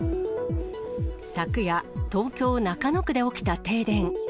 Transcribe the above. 昨夜、東京・中野区で起きた停電。